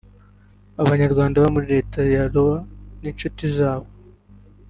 Abanyarwanda baba muri Leta ya Iowa n’inshuti zabo